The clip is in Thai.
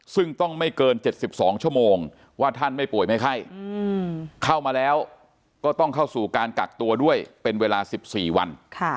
ซึ่งต้องไม่เกิน๗๒ชั่วโมงว่าท่านไม่ป่วยไม่ไข้เข้ามาแล้วก็ต้องเข้าสู่การกักตัวด้วยเป็นเวลา๑๔วัน